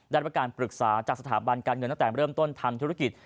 ได้รับการปรึกษาจากสถาบันการเงินตั้งแต่เริ่มต้นทำธุรกิจ